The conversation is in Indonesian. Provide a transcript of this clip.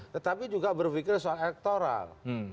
tetapi juga berpikir soal elektoral